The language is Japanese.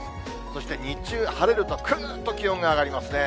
そして日中、晴れるとぐーんと気温が上がりますね。